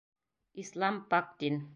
Ислам — пак дин.